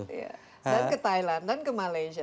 dan ke thailand dan ke malaysia